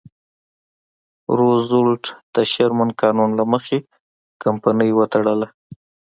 روزولټ د شرمن قانون له مخې کمپنۍ وتړله.